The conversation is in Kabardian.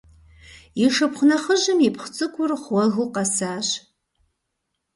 И шыпхъу нэхъыжьым ипхъу цӏыкӏур гъуэгыу къэсащ.